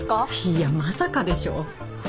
いやまさかでしょ。